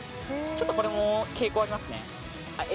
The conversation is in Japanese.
ちょっとこれも傾向ありますね。